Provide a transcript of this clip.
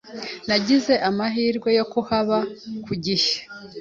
Nagize amahirwe yo kuhaba ku gihe.